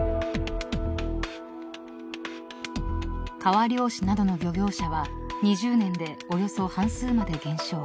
［川漁師などの漁業者は２０年でおよそ半数まで減少］